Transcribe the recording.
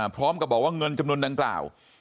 พร้อมกับบอกว่าเงินจำนวนดังกล่าว